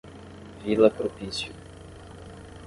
Vila Propício